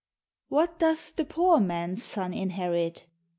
What doth the poor man's son inherit?